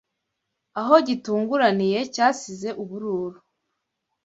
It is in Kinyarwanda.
Aho gitunguraniye cyasize ubururu